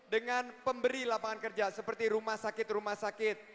dengan pemberi lapangan kerja seperti rumah sakit rumah sakit